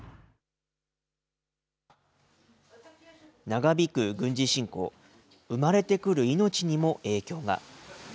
長引く軍事侵攻、産まれてくる命にも影響が。